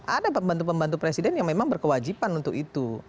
ada pembantu pembantu presiden yang memang berkewajiban untuk itu